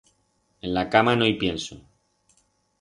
En la cama no i pienso.